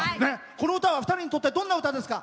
この歌はお二人にとってどんな歌ですか？